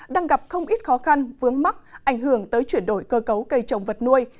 đang gặp không ít khó khăn vướng mắt ảnh hưởng tới chuyển đổi cơ cấu cây trồng vật nuôi